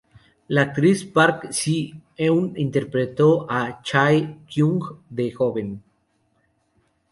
La actriz Park Si-eun interpretó a Chae-kyung de joven.